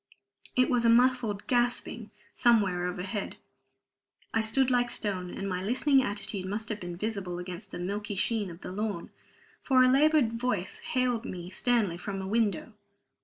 It was a muffled gasping somewhere overhead. I stood like stone; and my listening attitude must have been visible against the milky sheen of the lawn, for a labored voice hailed me sternly from a window.